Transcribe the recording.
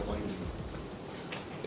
truknya truk baru kan